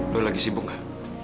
lu lagi sibuk gak